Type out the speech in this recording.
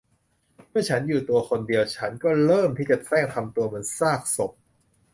เมื่อฉันอยู่ตัวคนเดียว ฉันก็เริ่มที่จะแสร้งทำตัวเหมือนซากศพ